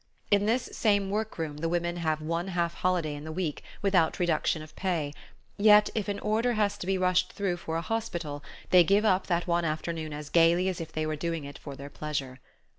In this same work room the women have one half holiday in the week, without reduction of pay; yet if an order has to be rushed through for a hospital they give up that one afternoon as gaily as if they were doing it for their pleasure.